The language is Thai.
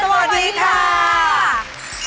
สวัสดีค่ะ